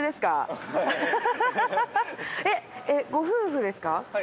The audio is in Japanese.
ご夫婦ですか？